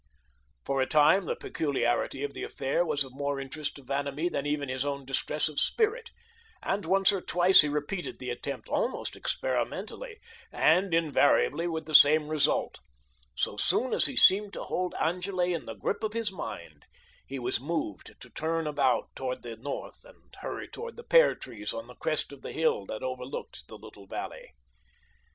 For a time the peculiarity of the affair was of more interest to Vanamee than even his own distress of spirit, and once or twice he repeated the attempt, almost experimentally, and invariably with the same result: so soon as he seemed to hold Angele in the grip of his mind, he was moved to turn about toward the north, and hurry toward the pear trees on the crest of the hill that over looked the little valley.